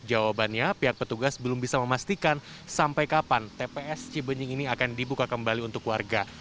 jawabannya pihak petugas belum bisa memastikan sampai kapan tps cibenying ini akan dibuka kembali untuk warga